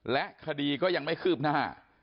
และคดีก็ยังไม่คืบหน้า